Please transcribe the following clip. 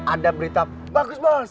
ada berita bagus bos